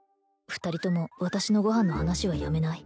２人とも私のご飯の話はやめない？